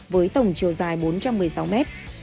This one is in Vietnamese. với tổng chiều dài bốn trăm một mươi sáu mét